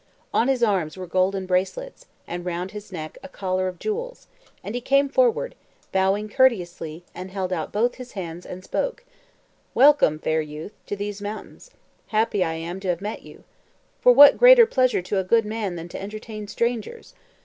On his arms were golden bracelets, and round his neck a collar of jewels; and he came forward, bowing courteously, and held out both his hands, and spoke: "Welcome, fair youth, to these mountains; happy am I to have met you! For what greater pleasure to a good man than to entertain strangers?